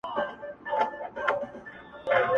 چي ډاکټر ورته کتله وارخطا سو!.